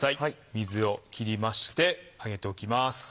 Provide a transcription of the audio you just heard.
水を切りまして上げておきます。